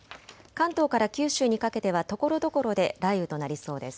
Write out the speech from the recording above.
関東から九州にかけてはところどころで雷雨となりそうです。